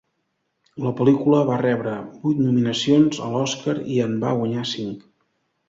La pel·lícula va rebre vuit nominacions a l'Oscar i en va guanyar cinc.